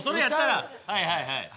はいはいはい。